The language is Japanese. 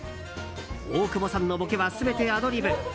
大久保さんのボケは全てアドリブ。